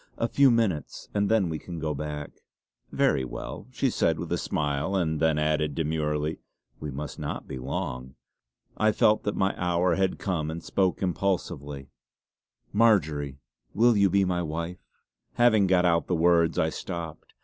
"A few minutes, and then we can go back." "Very well," she said with a smile, and then added demurely; "we must not be long." I felt that my hour had come and spoke impulsively: "Marjory, will you be my wife?" Having got out the words I stopped.